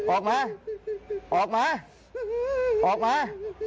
ออกมาออกมาออกมา